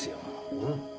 うん。